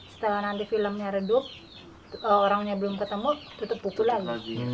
setelah nanti filmnya redup orangnya belum ketemu tutup pukulan